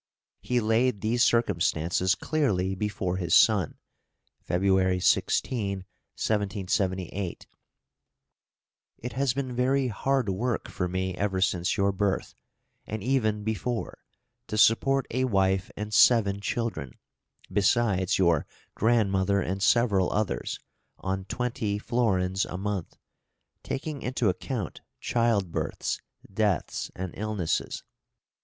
He laid these circumstances clearly before his son (February 16, 1778): It has been very hard work for me ever since your birth, and even before, to support a wife and seven children, besides your grandmother and several others, on twenty florins a month, taking into account child births, deaths, and illnesses.